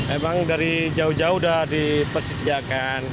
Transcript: emang dari jauh jauh udah dipersediakan